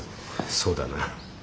そうだな。